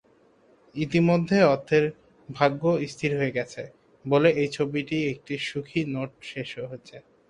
ইতিমধ্যে অর্থের ভাগ্য স্থির হয়ে গেছে বলে এই ছবিটি একটি সুখী নোটে শেষ হয়েছে।